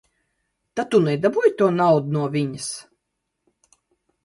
Tātad tu nedabūji to naudu no viņas?